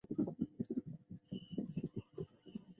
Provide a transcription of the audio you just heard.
这可能会增加政治和社会的两极分化和极端主义。